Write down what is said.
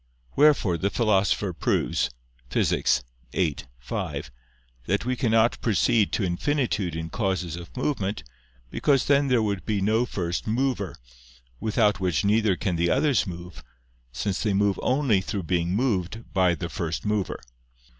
Wherefore the Philosopher proves (Phys. viii, 5) that we cannot proceed to infinitude in causes of movement, because then there would be no first mover, without which neither can the others move, since they move only through being moved by the first mover.